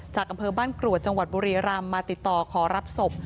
อำเภอบ้านกรวดจังหวัดบุรีรำมาติดต่อขอรับศพ